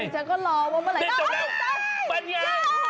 เณ่จบแล้วเป็นไง